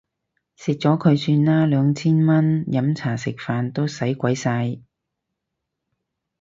食咗佢算啦，兩千蚊飲茶食飯都使鬼晒